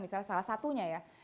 misalnya salah satunya ya